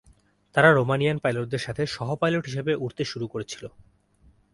তারা রোমানিয়ান পাইলটদের সাথে সহ-পাইলট হিসাবে উড়তে শুরু করেছিল।